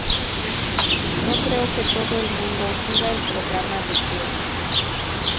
No creo que todo el mundo siga el programa de Jerry